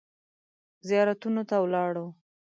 زیارتونو ته ولاړو.